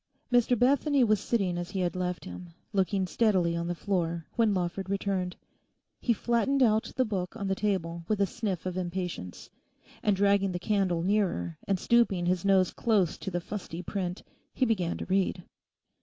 Mr Bethany was sitting as he had left him, looking steadily on the floor, when Lawford returned. He flattened out the book on the table with a sniff of impatience. And dragging the candle nearer, and stooping his nose close to the fusty print, he began to read.